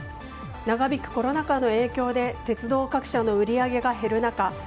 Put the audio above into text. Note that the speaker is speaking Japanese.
長引くコロナ禍の影響で鉄道各社の売り上げが減る中